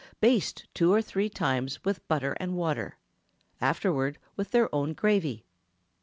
Baste two or three times with butter and water, afterward with their own gravy.